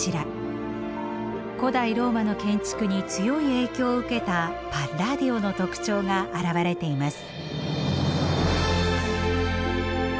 古代ローマの建築に強い影響を受けたパッラーディオの特徴があらわれています。